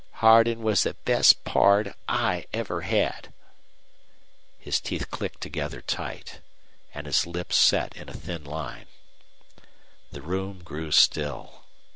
"Hardin was the best pard I ever had." His teeth clicked together tight, and his lips set in a thin line. The room grew still.